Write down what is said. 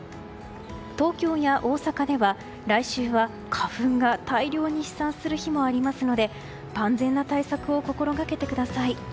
東京や大阪では、来週は花粉が大量に飛散する日もありますので万全の対策を心掛けてください。